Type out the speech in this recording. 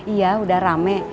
iya udah rame